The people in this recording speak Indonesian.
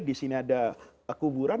di sini ada kuburan